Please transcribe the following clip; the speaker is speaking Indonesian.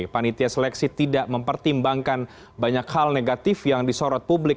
panitia seleksi tidak mempertimbangkan banyak hal negatif yang disorot publik